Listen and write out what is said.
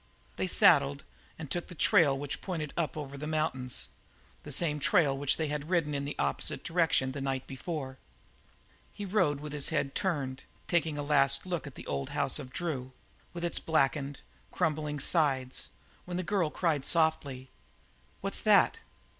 They saddled and took the trail which pointed up over the mountains the same trail which they had ridden in an opposite direction the night before. He rode with his head turned, taking his last look at the old house of Drew, with its blackened, crumbling sides, when the girl cried softly: "What's that?